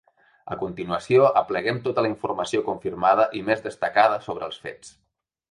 A continuació apleguem tota la informació confirmada i més destacada sobre els fets.